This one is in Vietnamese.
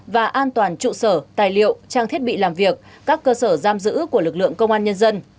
và an toàn trụ sở tài liệu trang thiết bị làm việc các cơ sở giam giữ của lực lượng công an nhân dân